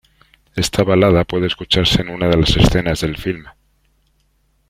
Esta balada puede escucharse en una de las escenas del filme.